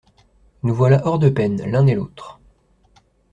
Nous voilà hors de peine, l'un et l'autre.